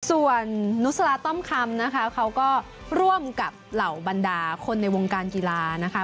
ส่วนนุสลาต้อมคำนะคะเขาก็ร่วมกับเหล่าบรรดาคนในวงการกีฬานะคะ